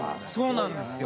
そうなんですよ。